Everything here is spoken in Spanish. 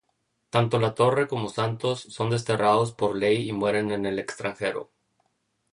Tanto Latorre como Santos son desterrados por ley y mueren en el extranjero.